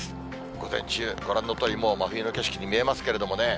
午前中、ご覧のとおり、もう真冬の景色に見えますけれどもね。